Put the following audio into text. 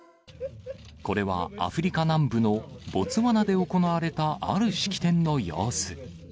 これはアフリカ南部のボツワナで行われた、ある式典の様子。